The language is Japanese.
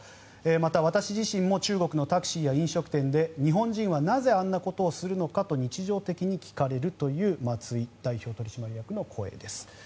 また私自身も中国のタクシーや飲食店で日本人はなぜあんなことをするのかと日常的に聞かれるという松井代表取締役の声です。